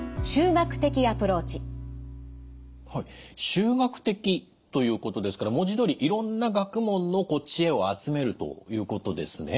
集学的ということですから文字どおりいろんな学問の知恵を集めるということですね？